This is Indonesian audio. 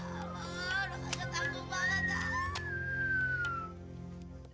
alah udah kacau tangguh banget